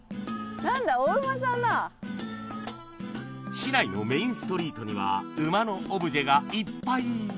市内のメインストリートには馬のオブジェがいっぱい